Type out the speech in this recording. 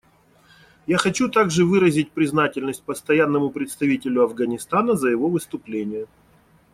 Я хочу также выразить признательность Постоянному представителю Афганистана за его выступление.